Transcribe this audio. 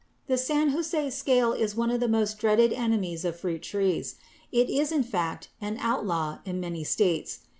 = The San Jose scale is one of the most dreaded enemies of fruit trees. It is in fact an outlaw in many states.